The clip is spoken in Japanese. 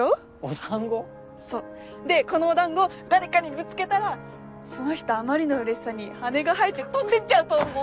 そうでこのお団子を誰かにぶつけたらその人あまりのうれしさに羽が生えて飛んでっちゃうと思う。